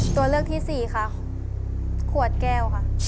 ตัวเลือกที่สี่ค่ะขวดแก้วค่ะ